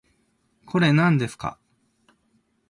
これ、なんですか